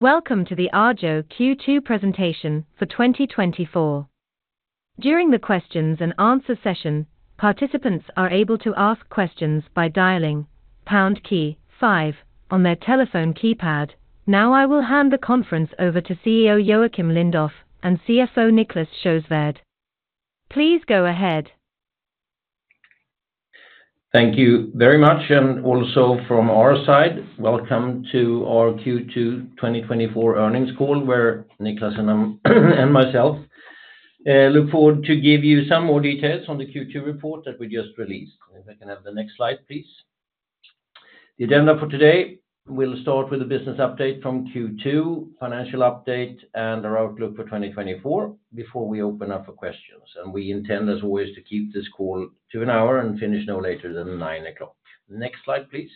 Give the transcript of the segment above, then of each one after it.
Welcome to the Arjo Q2 presentation for 2024. During the questions and answer session, participants are able to ask questions by dialing pound key five on their telephone keypad. Now, I will hand the conference over to CEO Joacim Lindoff and CFO Niclas Sjöswärd. Please go ahead. Thank you very much, and also from our side, welcome to our Q2 2024 earnings call, where Niclas and I, and myself, look forward to give you some more details on the Q2 report that we just released. If I can have the next slide, please. The agenda for today, we'll start with a business update from Q2, financial update, and our outlook for 2024 before we open up for questions. We intend, as always, to keep this call to an hour and finish no later than 9:00. Next slide, please.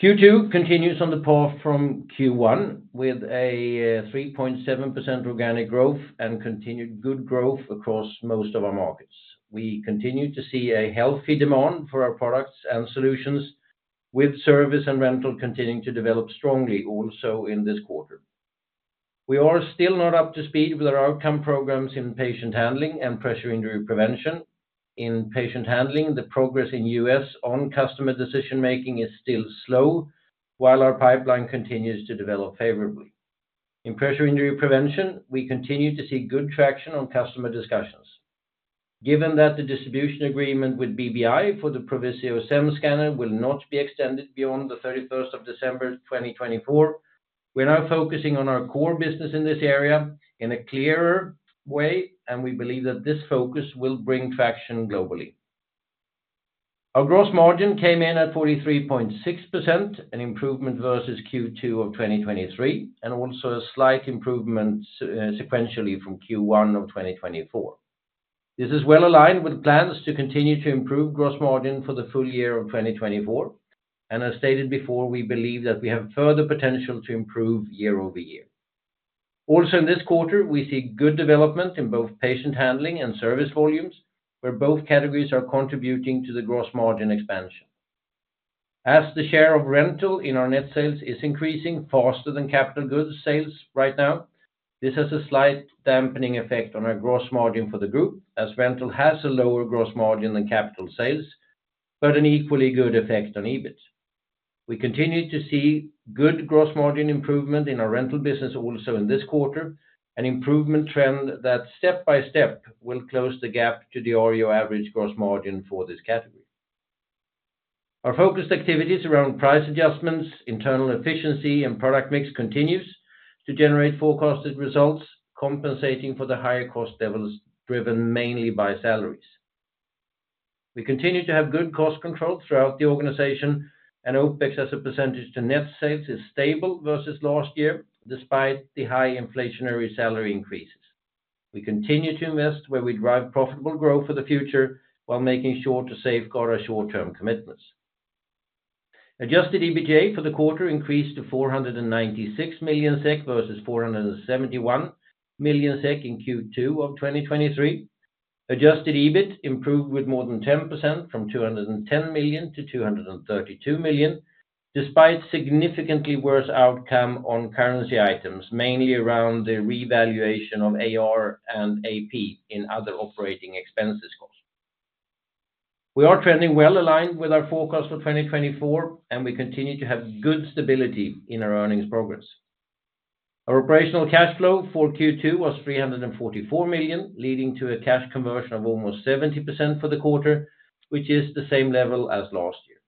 Q2 continues on the path from Q1, with a 3.7% organic growth and continued good growth across most of our markets. We continue to see a healthy demand for our products and solutions, with service and rental continuing to develop strongly also in this quarter. We are still not up to speed with our outcome programs in patient handling and pressure injury prevention. In patient handling, the progress in U.S. on customer decision-making is still slow, while our pipeline continues to develop favorably. In pressure injury prevention, we continue to see good traction on customer discussions. Given that the distribution agreement with BBI for the Provizio SEM Scanner will not be extended beyond the 31st of December 2024, we're now focusing on our core business in this area in a clearer way, and we believe that this focus will bring traction globally. Our gross margin came in at 43.6%, an improvement versus Q2 of 2023, and also a slight improvement sequentially from Q1 of 2024. This is well aligned with plans to continue to improve gross margin for the full year of 2024, and as stated before, we believe that we have further potential to improve year-over-year. Also in this quarter, we see good development in both patient handling and service volumes, where both categories are contributing to the gross margin expansion. As the share of rental in our net sales is increasing faster than capital goods sales right now, this has a slight dampening effect on our gross margin for the group, as rental has a lower gross margin than capital sales, but an equally good effect on EBIT. We continue to see good gross margin improvement in our rental business also in this quarter, an improvement trend that step by step will close the gap to the Arjo average gross margin for this category. Our focused activities around price adjustments, internal efficiency, and product mix continues to generate forecasted results, compensating for the higher cost levels, driven mainly by salaries. We continue to have good cost control throughout the organization, and OpEx, as a percentage to net sales, is stable versus last year, despite the high inflationary salary increases. We continue to invest where we drive profitable growth for the future while making sure to safeguard our short-term commitments. Adjusted EBIT for the quarter increased to 496 million SEK versus 471 million SEK in Q2 of 2023. Adjusted EBIT improved with more than 10% from 210 million to 232 million, despite significantly worse outcome on currency items, mainly around the revaluation of AR and AP in other operating expenses costs. We are trending well aligned with our forecast for 2024, and we continue to have good stability in our earnings progress. Our operational cash flow for Q2 was 344 million, leading to a cash conversion of almost 70% for the quarter, which is the same level as last year.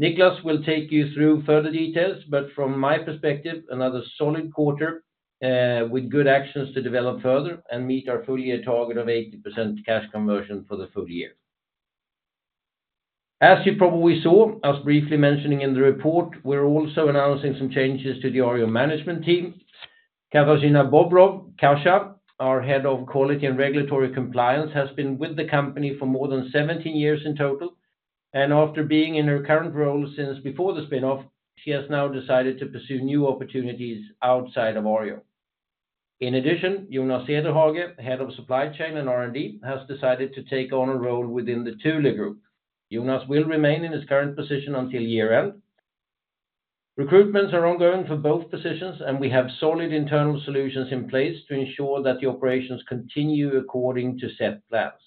Niclas will take you through further details, but from my perspective, another solid quarter, with good actions to develop further and meet our full year target of 80% cash conversion for the full year. As you probably saw, I was briefly mentioning in the report, we're also announcing some changes to the Arjo management team. Katarzyna Bobrow, Kasia, our Head of Quality and Regulatory Compliance, has been with the company for more than 17 years in total, and after being in her current role since before the spin-off, she has now decided to pursue new opportunities outside of Arjo. In addition, Jonas Cederhage, Head of Supply Chain and R&D, has decided to take on a role within the Thule Group. Jonas will remain in his current position until year-end. Recruitments are ongoing for both positions, and we have solid internal solutions in place to ensure that the operations continue according to set plans.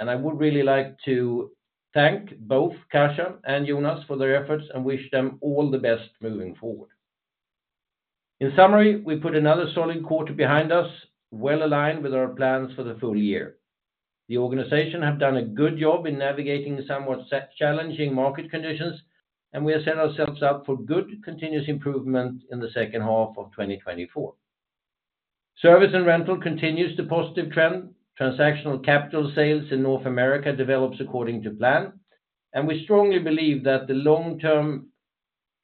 And I would really like to thank both Kasia and Jonas for their efforts and wish them all the best moving forward. In summary, we put another solid quarter behind us, well aligned with our plans for the full year. The organization have done a good job in navigating somewhat set challenging market conditions, and we have set ourselves up for good, continuous improvement in the second half of 2024. Service and rental continues the positive trend. Transactional capital sales in North America develops according to plan, and we strongly believe that the long-term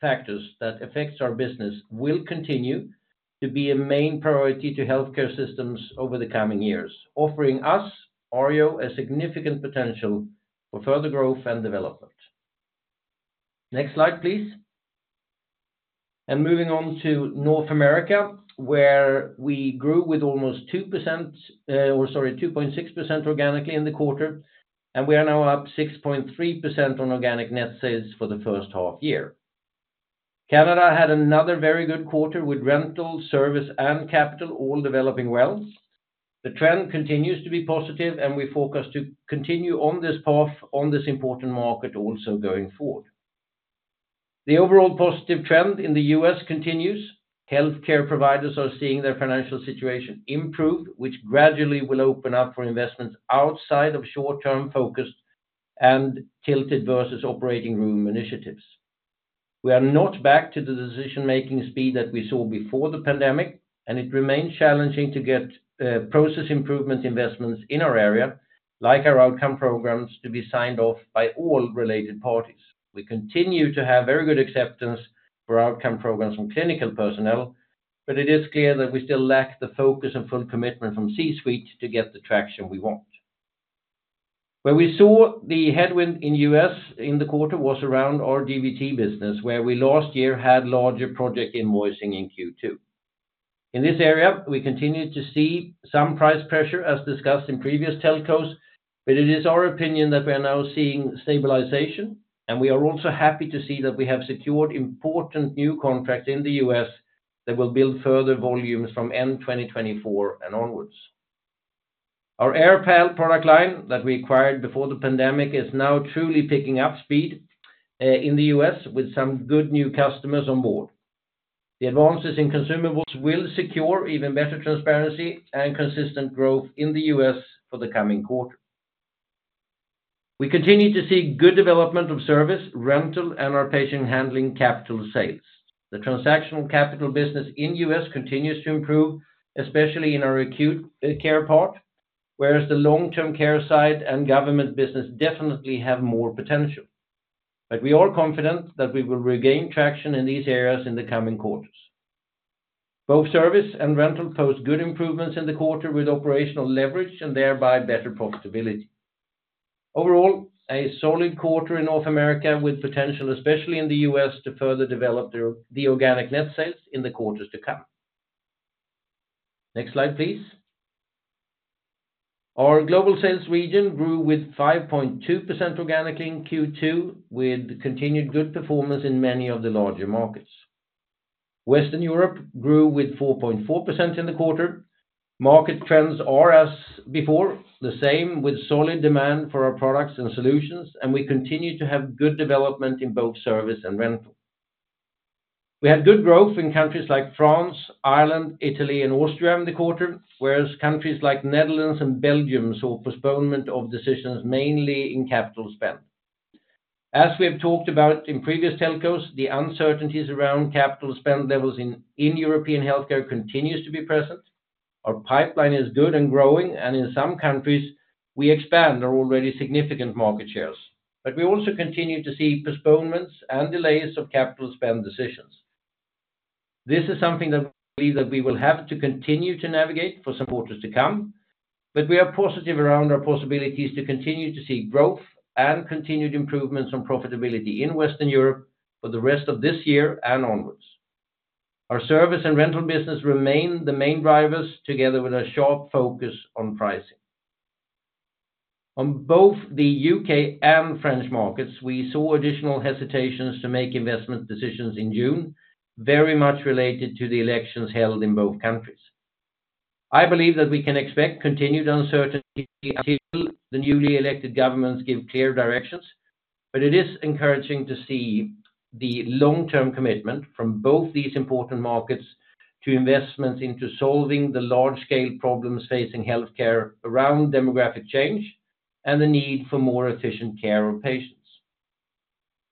factors that affects our business will continue to be a main priority to healthcare systems over the coming years, offering us, Arjo, a significant potential for further growth and development. Next slide, please. Moving on to North America, where we grew with almost 2%, or sorry, 2.6% organically in the quarter, and we are now up 6.3% on organic net sales for the first half year.... Canada had another very good quarter with rental, service, and capital all developing well. The trend continues to be positive, and we forecast to continue on this path, on this important market also going forward. The overall positive trend in the U.S. continues. Healthcare providers are seeing their financial situation improve, which gradually will open up for investments outside of short-term focus and tilted versus operating room initiatives. We are not back to the decision-making speed that we saw before the pandemic, and it remains challenging to get process improvement investments in our area, like our outcome programs, to be signed off by all related parties. We continue to have very good acceptance for outcome programs from clinical personnel, but it is clear that we still lack the focus and full commitment from C-suite to get the traction we want. Where we saw the headwind in the U.S. in the quarter was around our DVT business, where we last year had larger project invoicing in Q2. In this area, we continued to see some price pressure, as discussed in previous telcos, but it is our opinion that we are now seeing stabilization, and we are also happy to see that we have secured important new contracts in the U.S. that will build further volumes from end 2024 and onwards. Our AirPal product line that we acquired before the pandemic is now truly picking up speed in the U.S., with some good new customers on board. The advances in consumables will secure even better transparency and consistent growth in the U.S. for the coming quarter. We continue to see good development of service, rental, and our patient handling capital sales. The transactional capital business in the U.S. continues to improve, especially in our acute care part, whereas the long-term care side and government business definitely have more potential. But we are confident that we will regain traction in these areas in the coming quarters. Both service and rental posted good improvements in the quarter with operational leverage and thereby better profitability. Overall, a solid quarter in North America, with potential, especially in the U.S., to further develop the organic net sales in the quarters to come. Next slide, please. Our global sales region grew with 5.2% organically in Q2, with continued good performance in many of the larger markets. Western Europe grew with 4.4% in the quarter. Market trends are, as before, the same with solid demand for our products and solutions, and we continue to have good development in both service and rental. We had good growth in countries like France, Ireland, Italy, and Austria in the quarter, whereas countries like Netherlands and Belgium saw postponement of decisions, mainly in capital spend. As we have talked about in previous telcos, the uncertainties around capital spend levels in European healthcare continues to be present. Our pipeline is good and growing, and in some countries, we expand our already significant market shares. But we also continue to see postponements and delays of capital spend decisions. This is something that we believe that we will have to continue to navigate for some quarters to come, but we are positive around our possibilities to continue to see growth and continued improvements on profitability in Western Europe for the rest of this year and onwards. Our service and rental business remain the main drivers, together with a sharp focus on pricing. On both the U.K and French markets, we saw additional hesitations to make investment decisions in June, very much related to the elections held in both countries. I believe that we can expect continued uncertainty until the newly elected governments give clear directions, but it is encouraging to see the long-term commitment from both these important markets to investments into solving the large-scale problems facing healthcare around demographic change and the need for more efficient care of patients.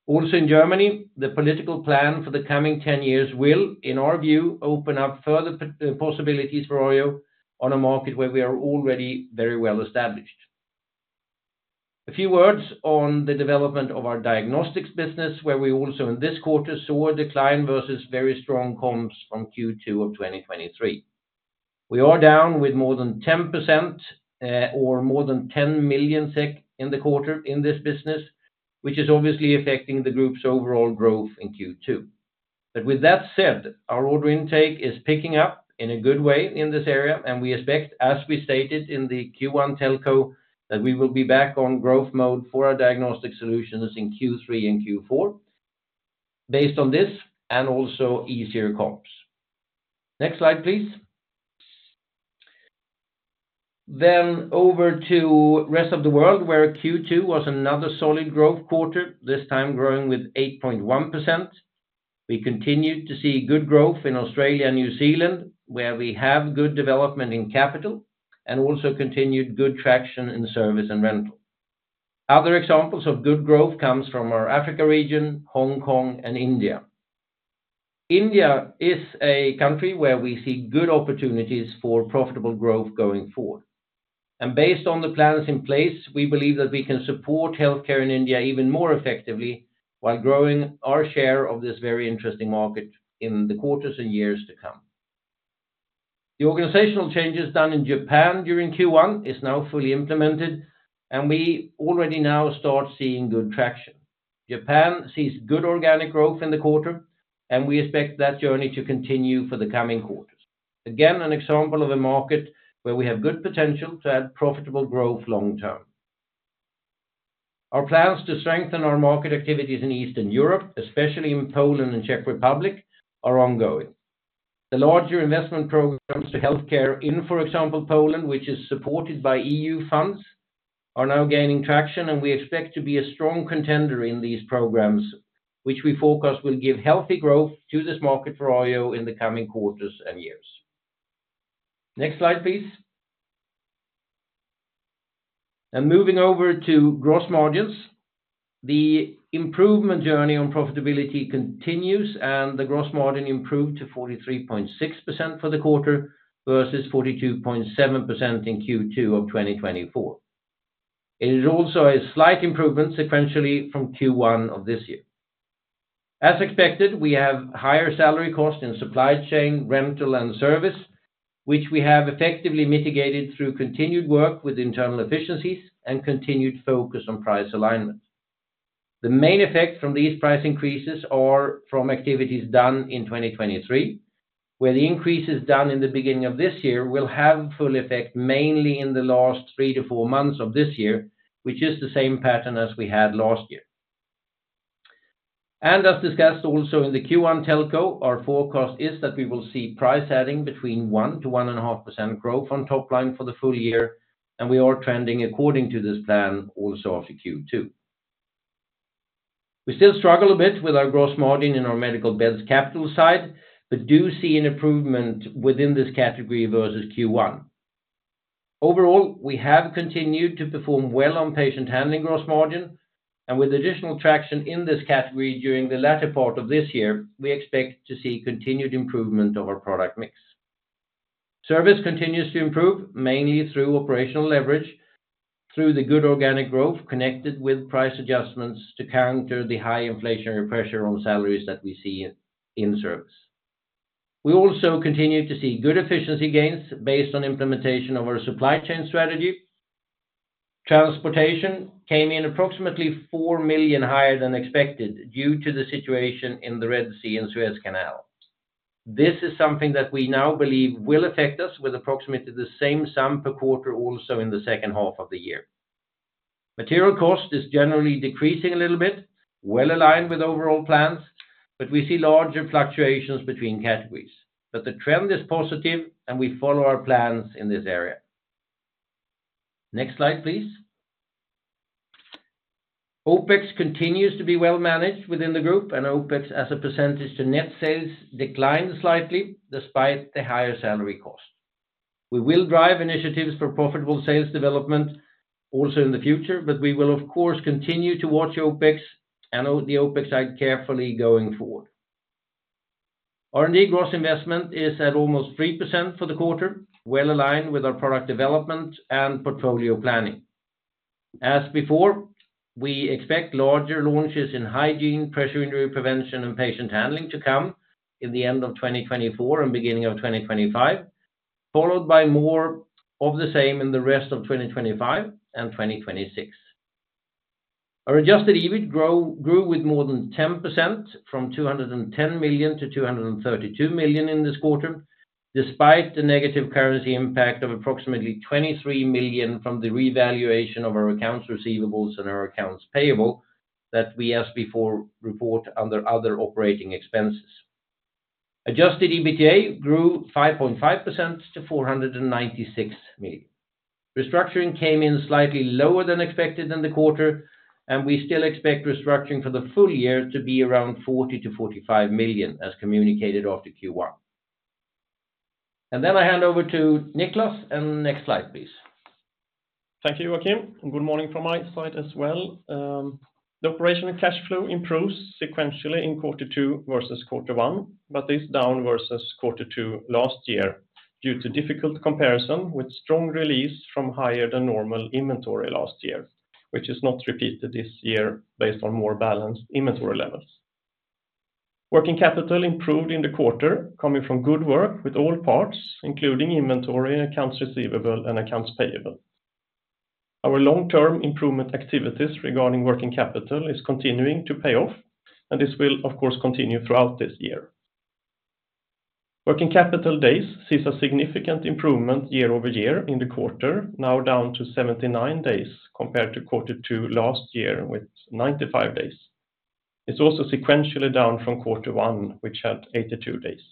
Also, in Germany, the political plan for the coming ten years will, in our view, open up further possibilities for Arjo on a market where we are already very well established. A few words on the development of our diagnostics business, where we also, in this quarter, saw a decline versus very strong comps from Q2 of 2023. We are down with more than 10%, or more than 10 million SEK in the quarter in this business, which is obviously affecting the group's overall growth in Q2. But with that said, our order intake is picking up in a good way in this area, and we expect, as we stated in the Q1 telco, that we will be back on growth mode for our diagnostic solutions in Q3 and Q4, based on this and also easier comps. Next slide, please. Then over to rest of the world, where Q2 was another solid growth quarter, this time growing with 8.1%. We continued to see good growth in Australia and New Zealand, where we have good development in capital and also continued good traction in service and rental. Other examples of good growth comes from our Africa region, Hong Kong, and India. India is a country where we see good opportunities for profitable growth going forward. Based on the plans in place, we believe that we can support healthcare in India even more effectively, while growing our share of this very interesting market in the quarters and years to come. The organizational changes done in Japan during Q1 is now fully implemented, and we already now start seeing good traction. Japan sees good organic growth in the quarter, and we expect that journey to continue for the coming quarters. Again, an example of a market where we have good potential to add profitable growth long term.... Our plans to strengthen our market activities in Eastern Europe, especially in Poland and Czech Republic, are ongoing. The larger investment programs to healthcare in, for example, Poland, which is supported by EU funds, are now gaining traction, and we expect to be a strong contender in these programs, which we forecast will give healthy growth to this market for Arjo in the coming quarters and years. Next slide, please. Moving over to gross margins, the improvement journey on profitability continues, and the gross margin improved to 43.6% for the quarter, versus 42.7% in Q2 of 2024. It is also a slight improvement sequentially from Q1 of this year. As expected, we have higher salary costs in supply chain, rental, and service, which we have effectively mitigated through continued work with internal efficiencies and continued focus on price alignment. The main effect from these price increases are from activities done in 2023, where the increases done in the beginning of this year will have full effect, mainly in the last 3-4 months of this year, which is the same pattern as we had last year. As discussed also in the Q1 telco, our forecast is that we will see price adding between 1%-1.5% growth on top line for the full year, and we are trending according to this plan also after Q2. We still struggle a bit with our gross margin in our medical beds capital side, but do see an improvement within this category versus Q1. Overall, we have continued to perform well on patient handling gross margin, and with additional traction in this category during the latter part of this year, we expect to see continued improvement of our product mix. Service continues to improve, mainly through operational leverage, through the good organic growth connected with price adjustments to counter the high inflationary pressure on salaries that we see in service. We also continue to see good efficiency gains based on implementation of our supply chain strategy. Transportation came in approximately 4 million higher than expected, due to the situation in the Red Sea and Suez Canal. This is something that we now believe will affect us with approximately the same sum per quarter, also in the second half of the year. Material cost is generally decreasing a little bit, well aligned with overall plans, but we see larger fluctuations between categories. But the trend is positive, and we follow our plans in this area. Next slide, please. OpEx continues to be well managed within the group, and OpEx, as a percentage to net sales, declined slightly despite the higher salary cost. We will drive initiatives for profitable sales development also in the future, but we will, of course, continue to watch OpEx and the OpEx side carefully going forward. R&D gross investment is at almost 3% for the quarter, well aligned with our product development and portfolio planning. As before, we expect larger launches in hygiene, pressure injury prevention, and patient handling to come in the end of 2024 and beginning of 2025, followed by more of the same in the rest of 2025 and 2026. Our adjusted EBIT grew more than 10%, from 210 million-232 million in this quarter, despite the negative currency impact of approximately 23 million from the revaluation of our accounts receivables and our accounts payable, that we, as before, report under other operating expenses. Adjusted EBITDA grew 5.5% to 496 million. Restructuring came in slightly lower than expected in the quarter, and we still expect restructuring for the full year to be around 40-45 million, as communicated after Q1. Then I hand over to Niclas, and next slide, please. Thank you, Joacim, and good morning from my side as well. The operational cash flow improves sequentially in quarter two versus quarter one, but is down versus quarter two last year, due to difficult comparison with strong release from higher than normal inventory last year, which is not repeated this year based on more balanced inventory levels. Working capital improved in the quarter, coming from good work with all parts, including inventory, accounts receivable, and accounts payable. Our long-term improvement activities regarding working capital is continuing to pay off, and this will, of course, continue throughout this year. Working capital days sees a significant improvement year-over-year in the quarter, now down to 79 days compared to quarter two last year, with 95 days. It's also sequentially down from quarter one, which had 82 days.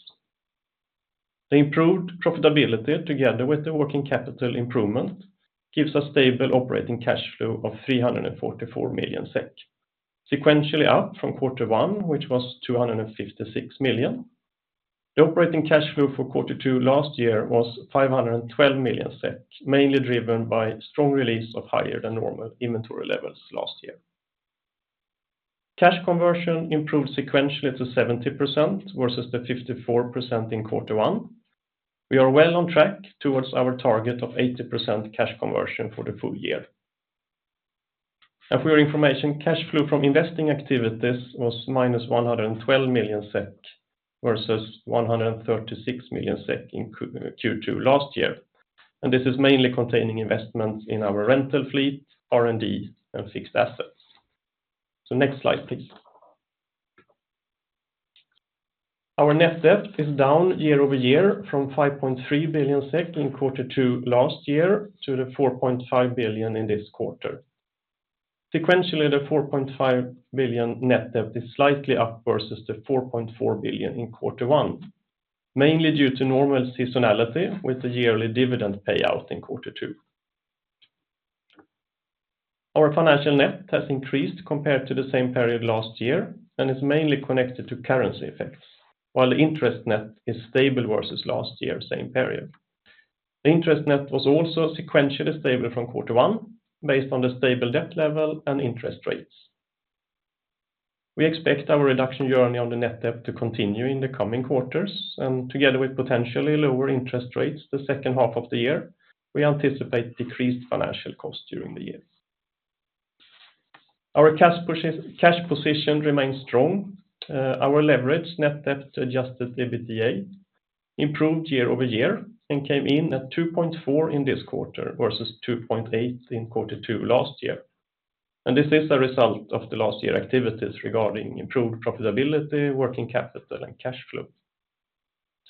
The improved profitability, together with the working capital improvement, gives a stable operating cash flow of 344 million SEK. Sequentially up from quarter one, which was 256 million. The operating cash flow for quarter two last year was 512 million SEK, mainly driven by strong release of higher than normal inventory levels last year. Cash conversion improved sequentially to 70% versus the 54% in quarter one. We are well on track towards our target of 80% cash conversion for the full year. And for your information, cash flow from investing activities was minus 112 million SEK, versus 136 million SEK in Q2 last year, and this is mainly containing investments in our rental fleet, R&D, and fixed assets. So next slide, please. Our net debt is down year-over-year from 5.3 billion SEK in quarter two last year to 4.5 billion in this quarter. Sequentially, the 4.5 billion net debt is slightly up versus the 4.4 billion in quarter one, mainly due to normal seasonality with the yearly dividend payout in quarter two. Our financial net has increased compared to the same period last year, and is mainly connected to currency effects, while the interest net is stable versus last year, same period. The interest net was also sequentially stable from quarter one, based on the stable debt level and interest rates. We expect our reduction journey on the net debt to continue in the coming quarters, and together with potentially lower interest rates the second half of the year, we anticipate decreased financial costs during the year. Our cash position remains strong. Our leverage, net debt Adjusted EBITDA, improved year-over-year and came in at 2.4 in this quarter versus 2.8 in quarter two last year. This is a result of the last year activities regarding improved profitability, working capital, and cash flow.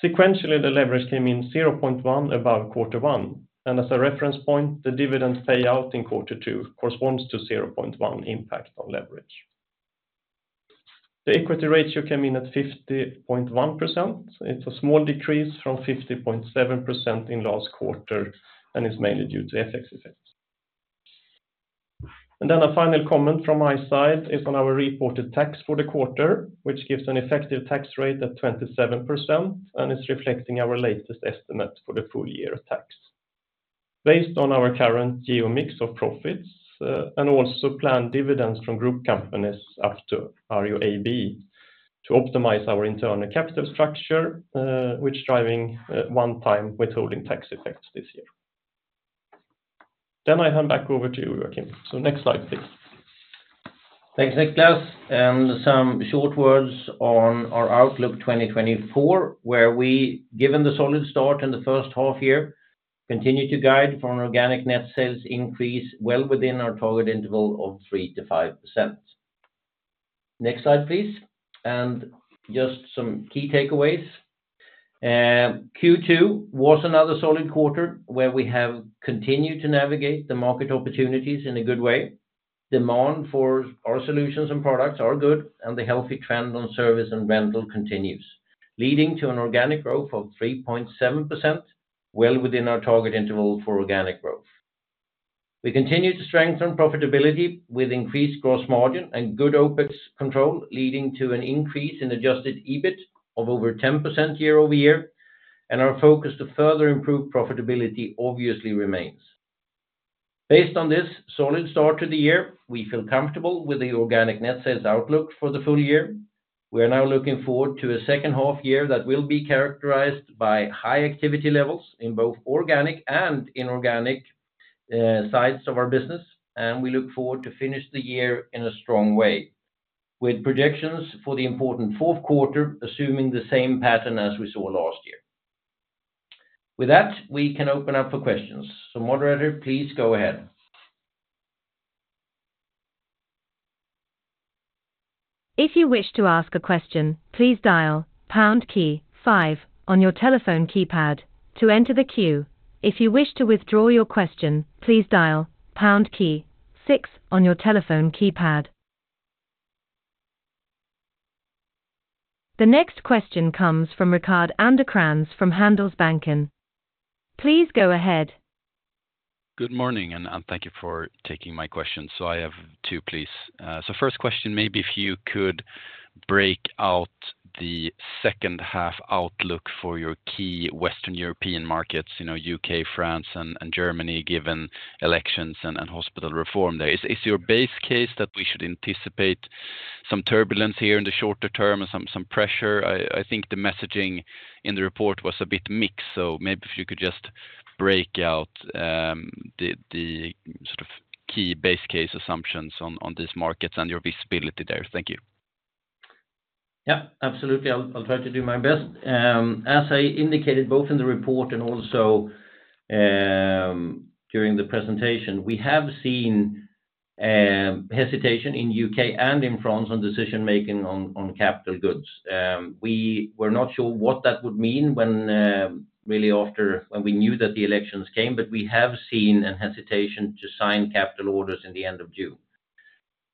Sequentially, the leverage came in 0.1 above quarter one, and as a reference point, the dividend payout in quarter two corresponds to 0.1 impact on leverage. The equity ratio came in at 50.1%. It's a small decrease from 50.7% in last quarter, and is mainly due to FX effects. Then a final comment from my side is on our reported tax for the quarter, which gives an effective tax rate at 27%, and it's reflecting our latest estimate for the full year tax. Based on our current geo mix of profits, and also planned dividends from group companies up to Arjo AB to optimize our internal capital structure, which driving, one time withholding tax effects this year. Then I hand back over to you, Joacim. So next slide, please. Thanks, Niclas, and some short words on our outlook 2024, where we, given the solid start in the first half year, continue to guide for an organic net sales increase well within our target interval of 3%-5%. Next slide, please. Just some key takeaways. Q2 was another solid quarter where we have continued to navigate the market opportunities in a good way. Demand for our solutions and products are good, and the healthy trend on service and rental continues, leading to an organic growth of 3.7%, well within our target interval for organic growth. We continue to strengthen profitability with increased gross margin and good OpEx control, leading to an increase in adjusted EBIT of over 10% year-over-year, and our focus to further improve profitability obviously remains. Based on this solid start to the year, we feel comfortable with the organic net sales outlook for the full year. We are now looking forward to a second half year that will be characterized by high activity levels in both organic and inorganic sides of our business, and we look forward to finish the year in a strong way, with projections for the important fourth quarter, assuming the same pattern as we saw last year. With that, we can open up for questions. So moderator, please go ahead. If you wish to ask a question, please dial pound key five on your telephone keypad to enter the queue. If you wish to withdraw your question, please dial pound key six on your telephone keypad. The next question comes from Rickard Anderkrans from Handelsbanken. Please go ahead. Good morning, and thank you for taking my question. So I have two, please. So first question, maybe if you could break out the second half outlook for your key Western European markets, you know, U.K, France, and Germany, given elections and hospital reform there. Is your base case that we should anticipate some turbulence here in the shorter term and some pressure? I think the messaging in the report was a bit mixed, so maybe if you could just break out the sort of key base case assumptions on these markets and your visibility there. Thank you. Yeah, absolutely. I'll try to do my best. As I indicated, both in the report and also during the presentation, we have seen hesitation in U.K and in France on decision-making on capital goods. We were not sure what that would mean, really, after we knew that the elections came, but we have seen a hesitation to sign capital orders in the end of June.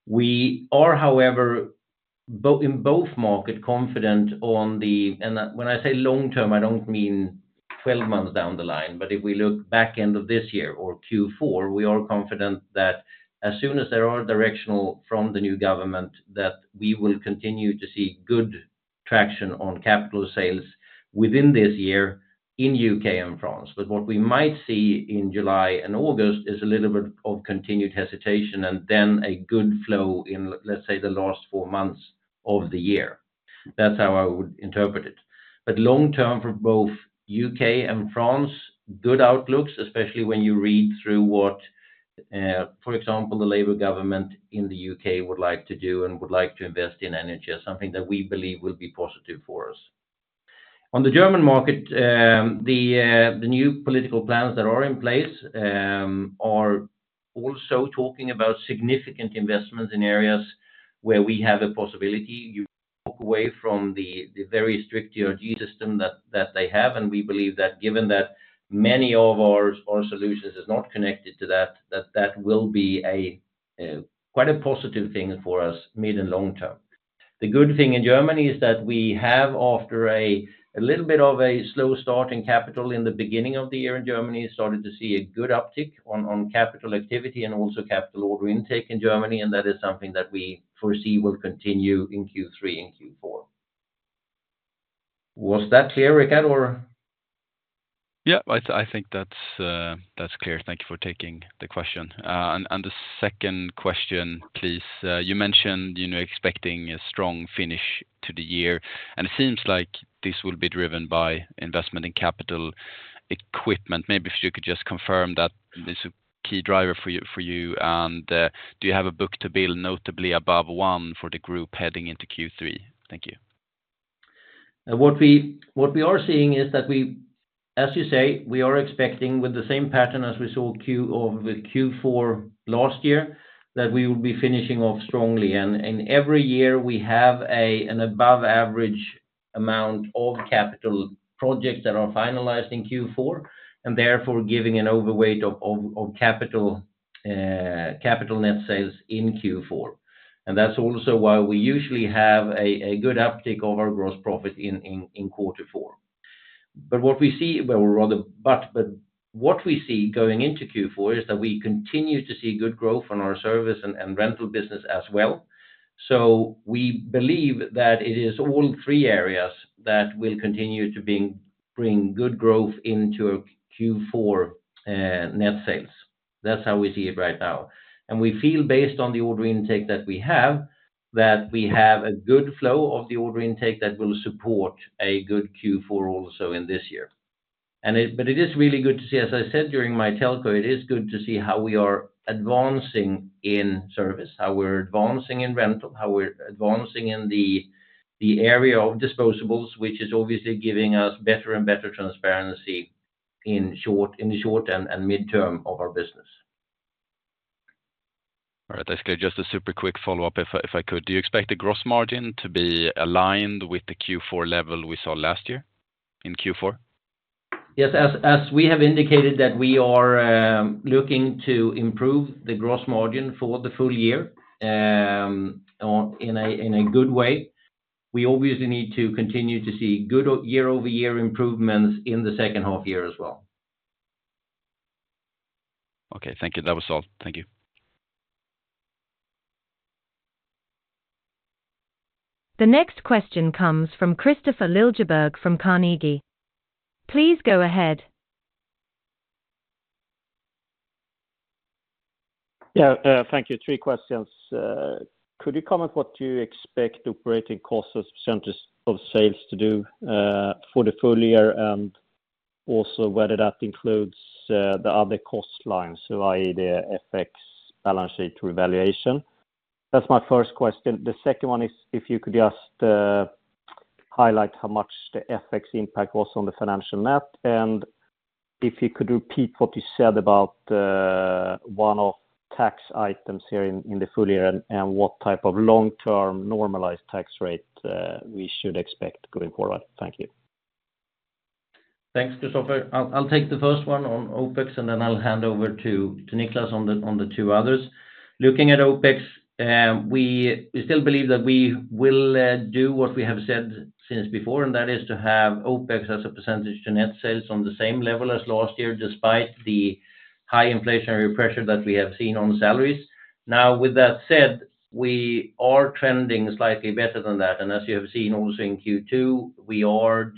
We are, however, both in both markets confident on the long term. When I say long term, I don't mean 12 months down the line, but if we look to the end of this year or Q4, we are confident that as soon as there are directions from the new government, that we will continue to see good traction on capital sales within this year in U.K and France. But what we might see in July and August is a little bit of continued hesitation and then a good flow in, let's say, the last four months of the year. That's how I would interpret it. But long term for both U.K and France, good outlooks, especially when you read through what, for example, the Labour government in the U.K would like to do and would like to invest in energy is something that we believe will be positive for us. On the German market, the new political plans that are in place are also talking about significant investments in areas where we have a possibility. You walk away from the very strict DRG system that they have, and we believe that given that many of our solutions is not connected to that, that will be a quite a positive thing for us mid and long term. The good thing in Germany is that we have, after a little bit of a slow start in capital in the beginning of the year in Germany, started to see a good uptick on capital activity and also capital order intake in Germany, and that is something that we foresee will continue in Q3 and Q4. Was that clear, Rickard, or? Yeah, I think that's clear. Thank you for taking the question. And the second question, please. You mentioned, you know, expecting a strong finish to the year, and it seems like this will be driven by investment in capital equipment. Maybe if you could just confirm that this is a key driver for you, and do you have a book to build notably above one for the group heading into Q3? Thank you. What we are seeing is that we, as you say, we are expecting with the same pattern as we saw with Q4 last year, that we will be finishing off strongly. And every year we have an above average amount of capital projects that are finalized in Q4, and therefore giving an overweight of capital net sales in Q4. And that's also why we usually have a good uptick of our gross profit in quarter four. But what we see going into Q4 is that we continue to see good growth on our service and rental business as well. So we believe that it is all three areas that will continue to bring good growth into a Q4 net sales. That's how we see it right now. We feel based on the order intake that we have, that we have a good flow of the order intake that will support a good Q4 also in this year. But it is really good to see, as I said, during my telco, it is good to see how we are advancing in service, how we're advancing in rental, how we're advancing in the area of disposables, which is obviously giving us better and better transparency in the short- and midterm of our business. All right, that's good. Just a super quick follow-up if I could: do you expect the gross margin to be aligned with the Q4 level we saw last year in Q4? Yes. As we have indicated, that we are looking to improve the gross margin for the full year, in a good way. We obviously need to continue to see good year-over-year improvements in the second half year as well. Okay, thank you. That was all. Thank you. The next question comes from Kristofer Liljeberg from Carnegie. Please go ahead. Yeah, thank you. Three questions. Could you comment what you expect operating costs as percentage of sales to do, for the full year, and also whether that includes, the other cost lines, so, i.e., the FX balance sheet revaluation? That's my first question. The second one is if you could just, highlight how much the FX impact was on the financial net, and if you could repeat what you said about the one-off tax items here in, in the full year, and, what type of long-term normalized tax rate, we should expect going forward. Thank you. Thanks, Kristofer. I'll, I'll take the first one on OpEx, and then I'll hand over to, to Niclas on the, on the two others. Looking at OpEx, we, we still believe that we will do what we have said since before, and that is to have OpEx as a percentage to net sales on the same level as last year, despite the high inflationary pressure that we have seen on salaries. Now, with that said, we are trending slightly better than that, and as you have seen also in Q2, we are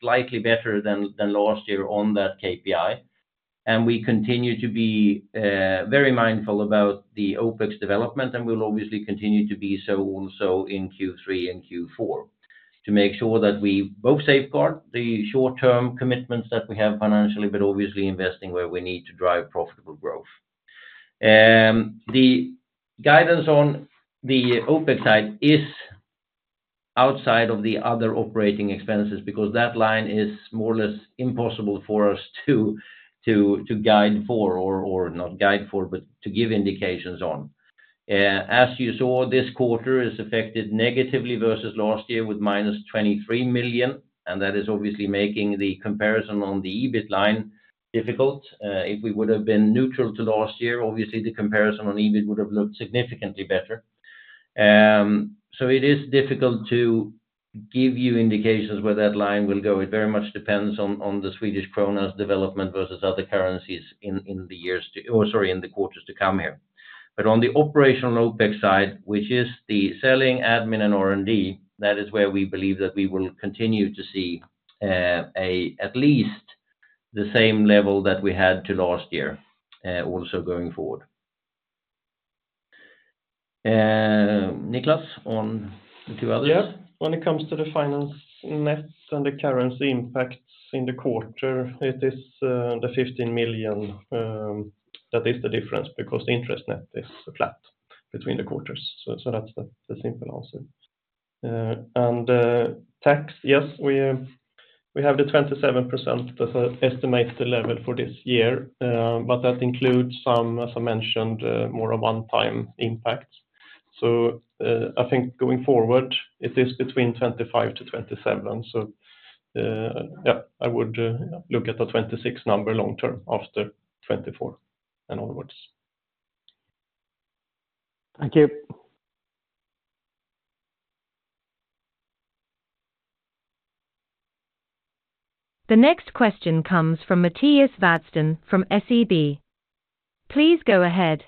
slightly better than, than last year on that KPI. We continue to be very mindful about the OpEx development, and we'll obviously continue to be so also in Q3 and Q4, to make sure that we both safeguard the short-term commitments that we have financially, but obviously investing where we need to drive profitable growth. The guidance on the OpEx side is outside of the other operating expenses because that line is more or less impossible for us to guide for, or not guide for, but to give indications on. As you saw, this quarter is affected negatively versus last year with -23 million, and that is obviously making the comparison on the EBIT line difficult. If we would have been neutral to last year, obviously the comparison on EBIT would have looked significantly better. So it is difficult to give you indications where that line will go. It very much depends on the Swedish krona's development versus other currencies in the years to, or sorry, in the quarters to come here. But on the operational OpEx side, which is the selling, admin, and R&D, that is where we believe that we will continue to see a at least the same level that we had to last year also going forward. Niclas, on the two others? Yeah. When it comes to the finance net and the currency impacts in the quarter, it is the 15 million that is the difference because interest net is flat.... between the quarters. So, so that's the, the simple answer. And, tax, yes, we, we have the 27% as estimate the level for this year, but that includes some, as I mentioned, more of one-time impacts. So, I think going forward, it is between 25%-27%. So, yeah, I would, look at the 26% number long term after 2024, in other words. Thank you. The next question comes from Mattias Vadsten from SEB. Please go ahead.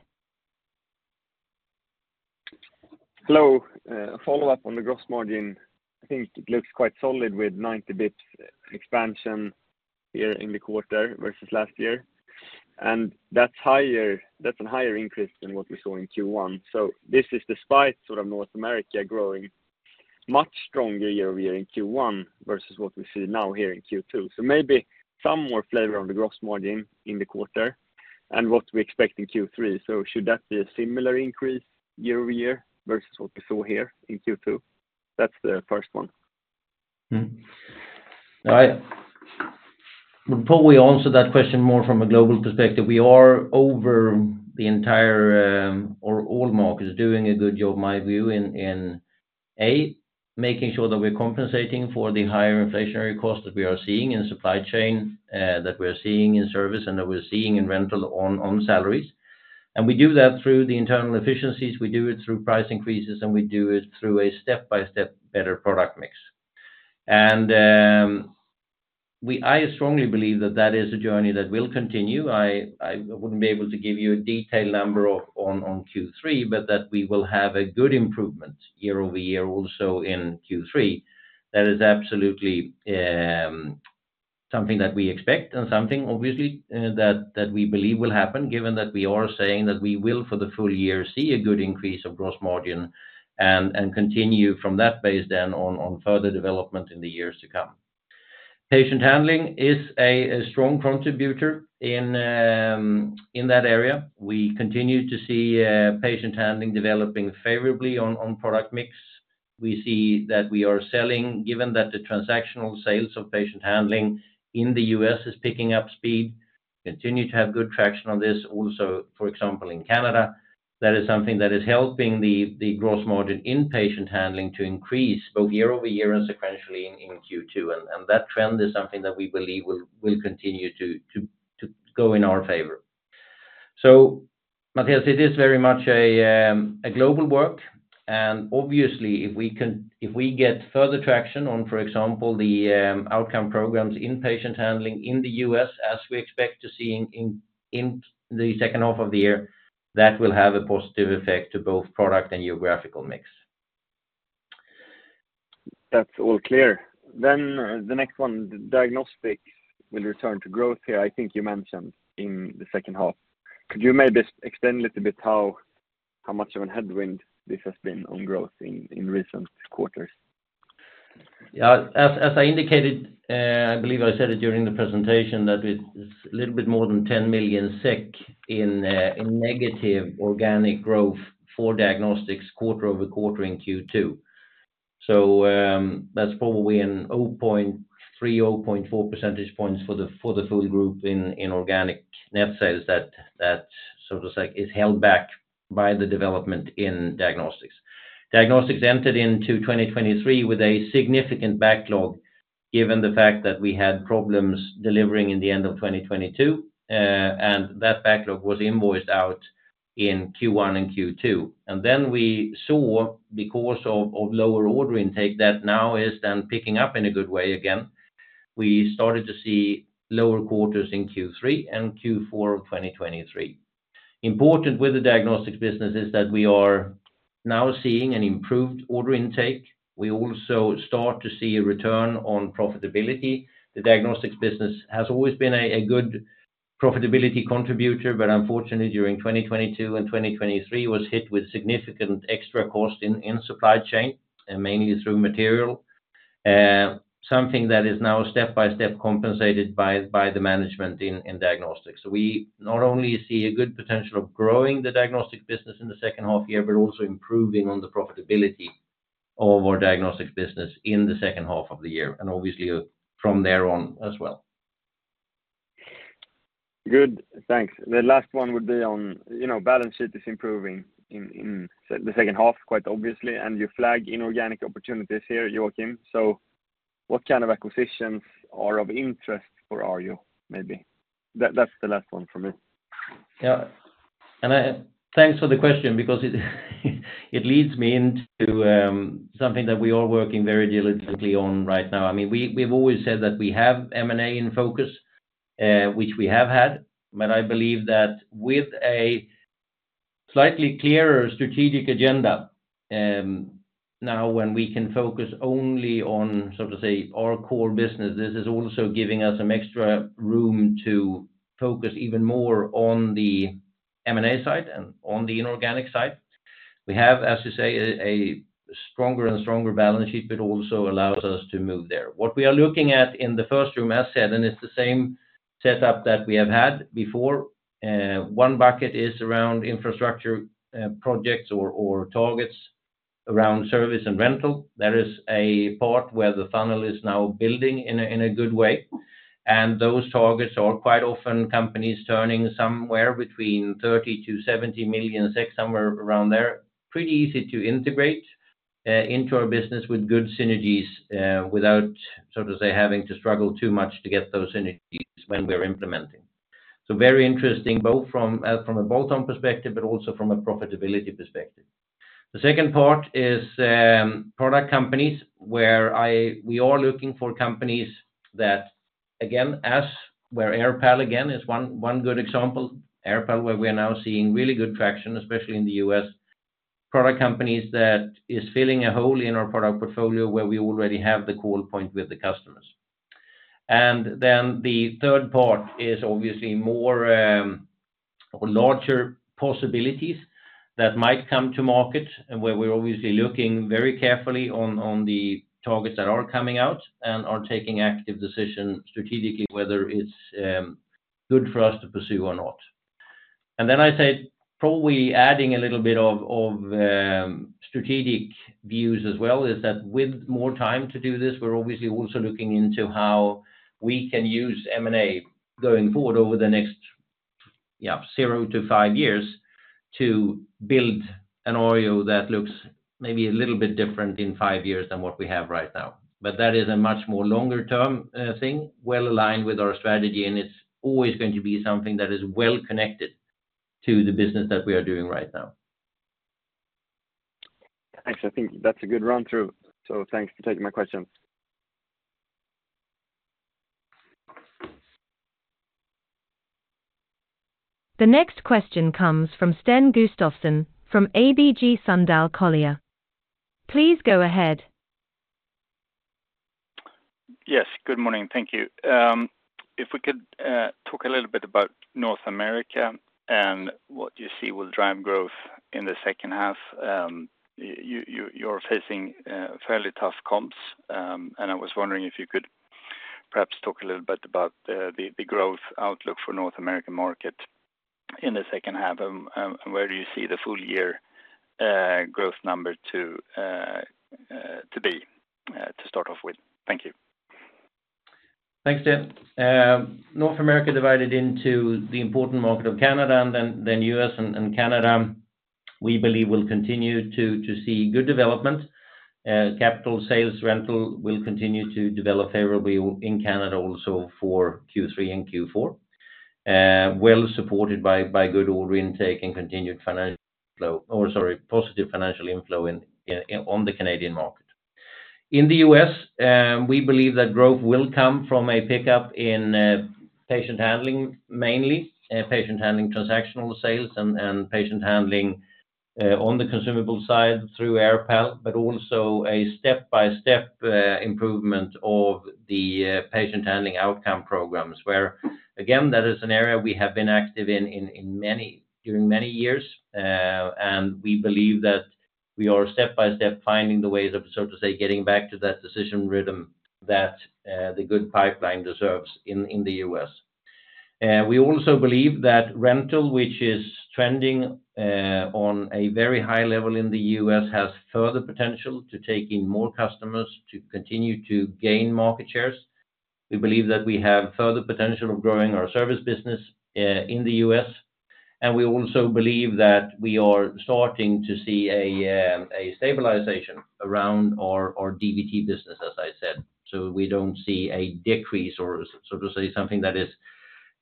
Hello. A follow-up on the gross margin. I think it looks quite solid with 90 basis points expansion here in the quarter versus last year, and that's higher—that's a higher increase than what we saw in Q1. So this is despite sort of North America growing much stronger year-over-year in Q1 versus what we see now here in Q2. So maybe some more flavor on the gross margin in the quarter and what we expect in Q3. So should that be a similar increase year-over-year versus what we saw here in Q2? That's the first one. Mm-hmm. I would probably answer that question more from a global perspective. We are over the entire, or all markets, doing a good job, in my view, in making sure that we're compensating for the higher inflationary costs that we are seeing in supply chain, that we're seeing in service, and that we're seeing in rental on, on salaries. And we do that through the internal efficiencies, we do it through price increases, and we do it through a step-by-step better product mix. And we strongly believe that that is a journey that will continue. I wouldn't be able to give you a detailed number on Q3, but that we will have a good improvement year-over-year, also in Q3. That is absolutely something that we expect and something obviously that we believe will happen, given that we are saying that we will, for the full year, see a good increase of gross margin and continue from that base then on further development in the years to come. Patient handling is a strong contributor in that area. We continue to see patient handling developing favorably on product mix. We see that we are selling, given that the transactional sales of patient handling in the U.S. is picking up speed, continue to have good traction on this also, for example, in Canada. That is something that is helping the gross margin in patient handling to increase both year-over-year and sequentially in Q2, and that trend is something that we believe will continue to go in our favor. So Mattias, it is very much a global work, and obviously, if we get further traction on, for example, the outcome programs in patient handling in the U.S., as we expect to see in the second half of the year, that will have a positive effect to both product and geographical mix. That's all clear. Then the next one, diagnostics will return to growth here. I think you mentioned in the second half. Could you maybe explain a little bit how, how much of a headwind this has been on growth in, in recent quarters? Yeah. As, as I indicated, I believe I said it during the presentation, that it's a little bit more than 10 million SEK in negative organic growth for diagnostics quarter-over-quarter in Q2. So, that's probably 0.3, 0.4 percentage points for the full group in organic net sales that, so to say, is held back by the development in diagnostics. Diagnostics entered into 2023 with a significant backlog, given the fact that we had problems delivering in the end of 2022, and that backlog was invoiced out in Q1 and Q2. And then we saw, because of lower order intake, that now is then picking up in a good way again. We started to see lower quarters in Q3 and Q4 of 2023. Important with the diagnostics business is that we are now seeing an improved order intake. We also start to see a return on profitability. The diagnostics business has always been a good profitability contributor, but unfortunately, during 2022 and 2023, was hit with significant extra cost in supply chain, and mainly through material. Something that is now step-by-step compensated by the management in diagnostics. So we not only see a good potential of growing the diagnostics business in the second half year, but also improving on the profitability of our diagnostics business in the second half of the year, and obviously from there on as well. Good. Thanks. The last one would be on, you know, balance sheet is improving in, in the second half, quite obviously, and you flag inorganic opportunities here, Joacim. So what kind of acquisitions are of interest for Arjo, maybe? That, that's the last one from me. Yeah. Thanks for the question, because it leads me into something that we are working very diligently on right now. I mean, we've always said that we have M&A in focus, which we have had, but I believe that with a slightly clearer strategic agenda, now when we can focus only on, so to say, our core business, this is also giving us some extra room to focus even more on the M&A side and on the inorganic side. We have, as you say, a stronger and stronger balance sheet, but also allows us to move there. What we are looking at in the first room, as said, and it's the same setup that we have had before, one bucket is around infrastructure, projects or targets around service and rental. There is a part where the funnel is now building in a good way, and those targets are quite often companies turning somewhere between 30 million-70 million, somewhere around there. Pretty easy to integrate into our business with good synergies, without, so to say, having to struggle too much to get those synergies when we are implementing. So very interesting, both from a bolt-on perspective, but also from a profitability perspective. The second part is product companies where we are looking for companies that, again, as where AirPal again, is one good example, AirPal, where we are now seeing really good traction, especially in the U.S. Product companies that is filling a hole in our product portfolio where we already have the call point with the customers. And then the third part is obviously more or larger possibilities that might come to market, and where we're obviously looking very carefully on the targets that are coming out and are taking active decision strategically, whether it's good for us to pursue or not. And then I say, probably adding a little bit of strategic views as well, is that with more time to do this, we're obviously also looking into how we can use M&A going forward over the next 0-5 years to build an Arjo that looks maybe a little bit different in five years than what we have right now. But that is a much more longer term thing, well aligned with our strategy, and it's always going to be something that is well connected to the business that we are doing right now. Thanks. I think that's a good run through, so thanks for taking my question. The next question comes from Sten Gustafsson, from ABG Sundal Collier. Please go ahead. Yes, good morning. Thank you. If we could talk a little bit about North America and what you see will drive growth in the second half. You're facing fairly tough comps. And I was wondering if you could perhaps talk a little bit about the growth outlook for the North American market in the second half, where do you see the full year growth number to be, to start off with? Thank you. Thanks, Sten. North America divided into the important market of Canada, and then, then U.S. and, and Canada, we believe will continue to, to see good development. Capital sales rental will continue to develop favorably in Canada also for Q3 and Q4. Well supported by, by good order intake and continued financial flow, or sorry, positive financial inflow in, in, on the Canadian market. In the U.S., we believe that growth will come from a pickup in patient handling, mainly, patient handling transactional sales and, and patient handling on the consumable side through AirPal, but also a step-by-step improvement of the patient handling outcome programs, where, again, that is an area we have been active in, in, during many years. And we believe that we are step by step, finding the ways of, so to say, getting back to that decision rhythm that the good pipeline deserves in, in the U.S. We also believe that rental, which is trending on a very high level in the U.S., has further potential to take in more customers to continue to gain market shares. We believe that we have further potential of growing our service business in the U.S., and we also believe that we are starting to see a a stabilization around our, our DVT business, as I said. So we don't see a decrease or so to say, something that is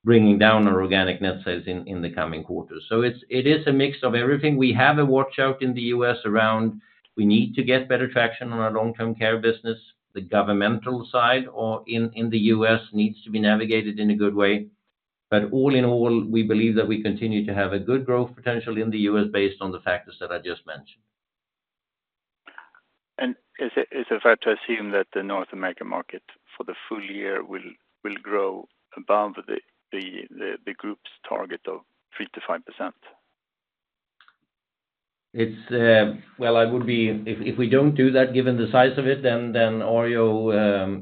bringing down our organic net sales in, in the coming quarters. So it's, it is a mix of everything. We have a watch out in the U.S. around. We need to get better traction on our long-term care business. The governmental side or in the U.S. needs to be navigated in a good way. But all in all, we believe that we continue to have a good growth potential in the U.S. based on the factors that I just mentioned. Is it fair to assume that the North American market for the full year will grow above the group's target of 3%-5%? It's, well, I would be... If we don't do that, given the size of it, then Arjo.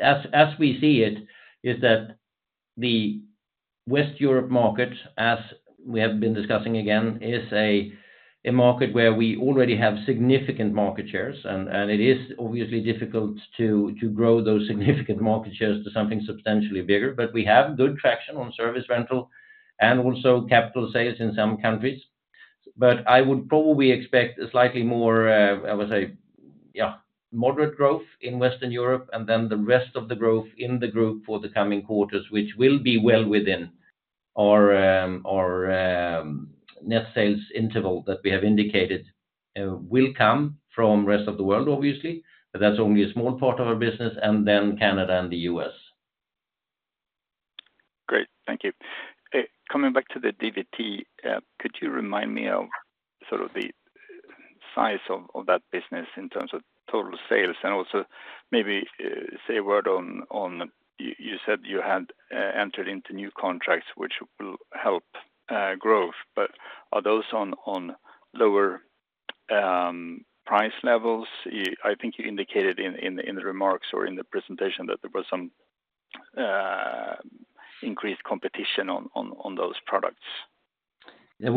As we see it, is that the Western Europe market, as we have been discussing again, is a market where we already have significant market shares, and it is obviously difficult to grow those significant market shares to something substantially bigger. But we have good traction on service rental and also capital sales in some countries. But I would probably expect a slightly more, I would say, yeah, moderate growth in Western Europe, and then the rest of the growth in the group for the coming quarters, which will be well within our, our, net sales interval that we have indicated, will come from rest of the world, obviously, but that's only a small part of our business, and then Canada and the U.S. Great. Thank you. Coming back to the DVT, could you remind me of sort of the size of, of that business in terms of total sales, and also... maybe, say a word on, on, you, you said you had, entered into new contracts which will help, growth, but are those on, on lower, price levels? I think you indicated in, in the, in the remarks or in the presentation that there was some, increased competition on, on, on those products. Yeah,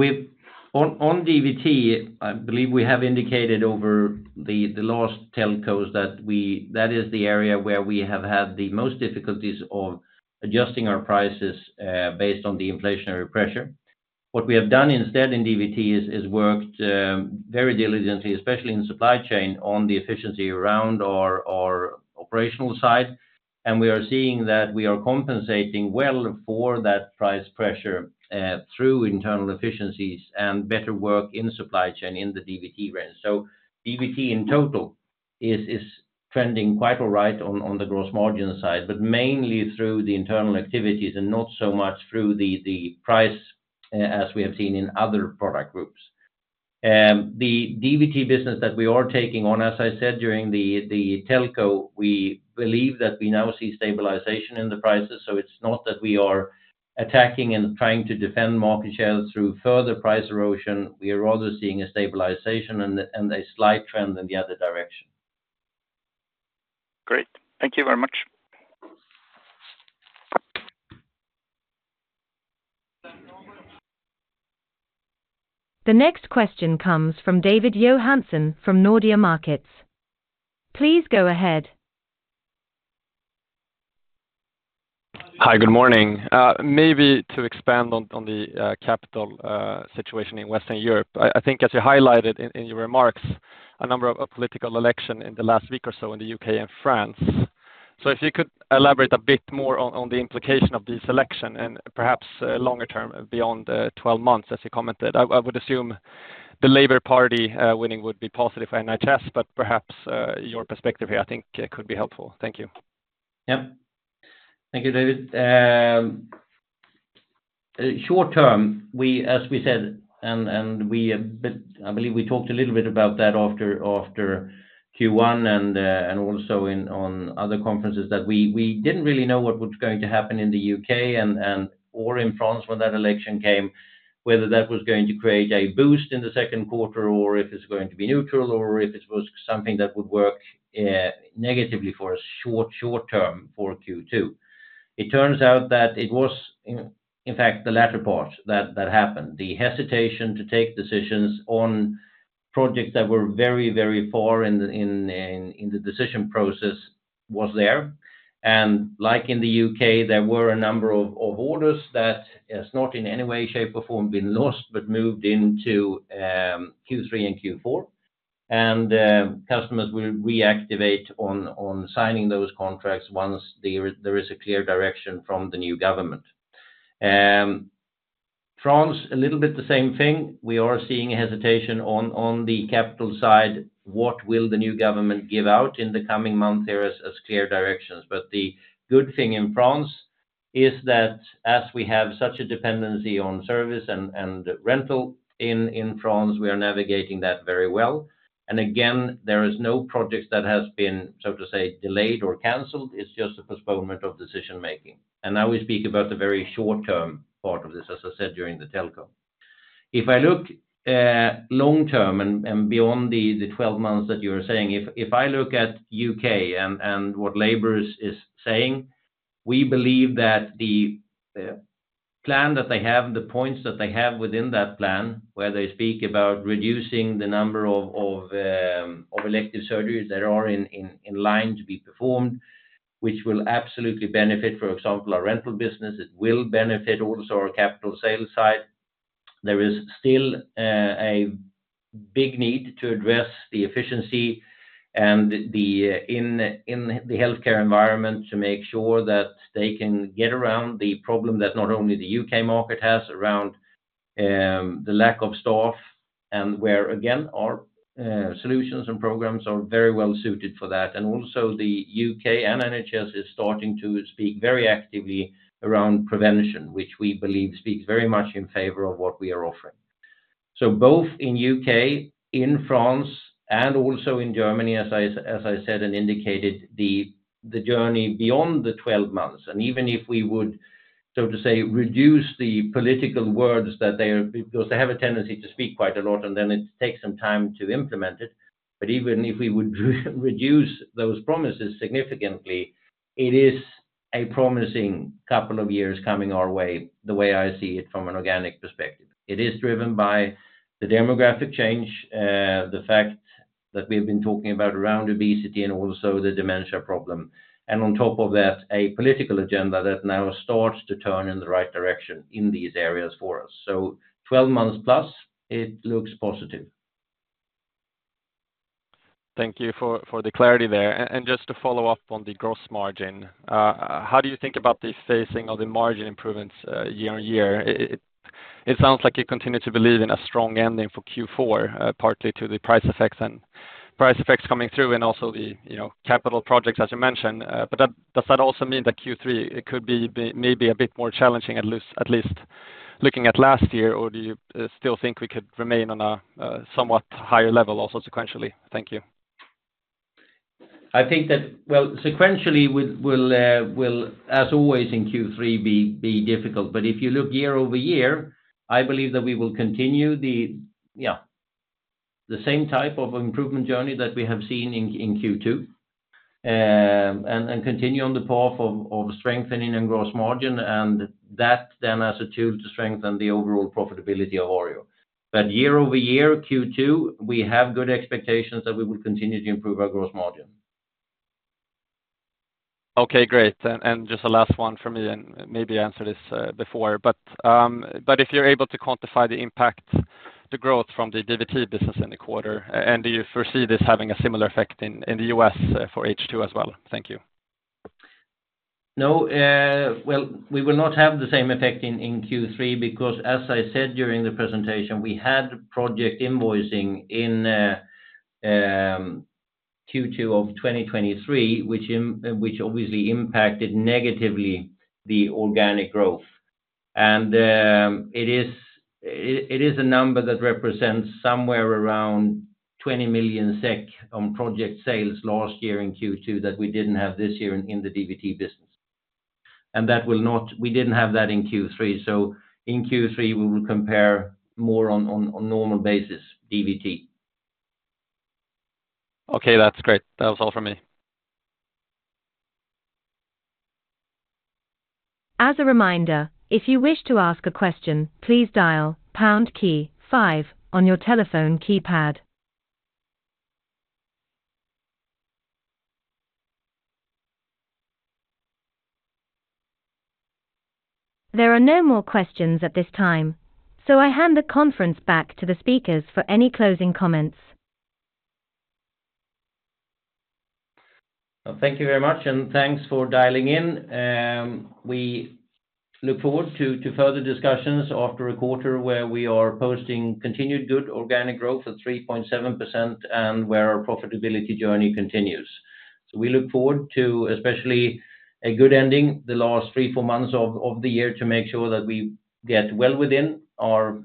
on DVT, I believe we have indicated over the last telcos that that is the area where we have had the most difficulties of adjusting our prices based on the inflationary pressure. What we have done instead in DVT is worked very diligently, especially in supply chain, on the efficiency around our operational side, and we are seeing that we are compensating well for that price pressure through internal efficiencies and better work in supply chain in the DVT range. So DVT in total is trending quite all right on the gross margin side, but mainly through the internal activities and not so much through the price as we have seen in other product groups. The DVT business that we are taking on, as I said during the telco, we believe that we now see stabilization in the prices, so it's not that we are attacking and trying to defend market share through further price erosion. We are rather seeing a stabilization and a slight trend in the other direction. Great. Thank you very much. The next question comes from David Johansson from Nordea Markets. Please go ahead. Hi, good morning. Maybe to expand on the capital situation in Western Europe, I think as you highlighted in your remarks, a number of political election in the last week or so in the U.K and France. So if you could elaborate a bit more on the implication of this election and perhaps longer term beyond the 12 months, as you commented. I would assume the Labour Party winning would be positive for NHS, but perhaps your perspective here, I think, could be helpful. Thank you. Yeah. Thank you, David. Short term, we, as we said, I believe we talked a little bit about that after Q1 and also in on other conferences, that we didn't really know what was going to happen in the U.K and or in France when that election came, whether that was going to create a boost in the second quarter, or if it's going to be neutral, or if it was something that would work negatively for a short term for Q2. It turns out that it was, in fact, the latter part that happened. The hesitation to take decisions on projects that were very far in the decision process was there. Like in the U.K, there were a number of orders that has not in any way, shape, or form been lost, but moved into Q3 and Q4. Customers will reactivate on signing those contracts once there is a clear direction from the new government. France, a little bit the same thing. We are seeing hesitation on the capital side, what will the new government give out in the coming month there as clear directions. But the good thing in France is that as we have such a dependency on service and rental in France, we are navigating that very well. And again, there is no project that has been, so to say, delayed or canceled. It's just a postponement of decision making. And now we speak about the very short term part of this, as I said, during the telco. If I look long term and beyond the 12 months that you are saying, if I look at U.K and what Labor is saying, we believe that the plan that they have, the points that they have within that plan, where they speak about reducing the number of elective surgeries that are in line to be performed, which will absolutely benefit, for example, our rental business. It will benefit also our capital sales side. There is still a big need to address the efficiency and the in the healthcare environment to make sure that they can get around the problem that not only the U.K market has around the lack of staff, and where, again, our solutions and programs are very well suited for that. Also the U.K and NHS is starting to speak very actively around prevention, which we believe speaks very much in favor of what we are offering. So both in U.K, in France, and also in Germany, as I said, and indicated, the journey beyond the 12 months, and even if we would, so to say, reduce the political words that they are, because they have a tendency to speak quite a lot, and then it takes some time to implement it. But even if we would reduce those promises significantly, it is a promising couple of years coming our way, the way I see it from an organic perspective. It is driven by the demographic change, the fact that we've been talking about around obesity and also the dementia problem, and on top of that, a political agenda that now starts to turn in the right direction in these areas for us. So 12 months plus, it looks positive. Thank you for the clarity there. And just to follow up on the gross margin, how do you think about the phasing of the margin improvements, year-on-year? It sounds like you continue to believe in a strong ending for Q4, partly to the price effects and price effects coming through and also the, you know, capital projects as you mentioned. But that, does that also mean that Q3, it could be maybe a bit more challenging, at least looking at last year, or do you still think we could remain on a somewhat higher level also sequentially? Thank you. I think that, well, sequentially, we will, as always, in Q3 be difficult. But if you look year-over-year, I believe that we will continue the, yeah, the same type of improvement journey that we have seen in Q2, and continue on the path of strengthening our gross margin, and that then as a tool to strengthen the overall profitability of Arjo. But year-over-year, Q3, we have good expectations that we will continue to improve our gross margin. Okay, great. And just a last one for me, and maybe you answered this before. But if you're able to quantify the impact, the growth from the DVT business in the quarter, and do you foresee this having a similar effect in the U.S for H2 as well? Thank you. No, well, we will not have the same effect in Q3, because as I said during the presentation, we had project invoicing in Q2 of 2023, which obviously impacted negatively the organic growth. And it is a number that represents somewhere around 20 million SEK on project sales last year in Q2, that we didn't have this year in the DVT business. And that will not. We didn't have that in Q3, so in Q3, we will compare more on normal basis, DVT. Okay, that's great. That was all for me. As a reminder, if you wish to ask a question, please dial pound key five on your telephone keypad. There are no more questions at this time, so I hand the conference back to the speakers for any closing comments. Well, thank you very much, and thanks for dialing in. We look forward to further discussions after a quarter where we are posting continued good organic growth of 3.7% and where our profitability journey continues. So we look forward to especially a good ending, the last three, four months of the year, to make sure that we get well within our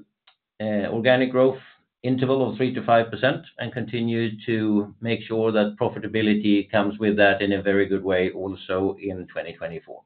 organic growth interval of 3%-5%, and continue to make sure that profitability comes with that in a very good way also in 2024.